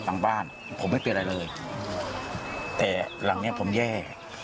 หลังบ้านผมไม่เป็นอะไรเลยแต่หลังเนี้ยผมแย่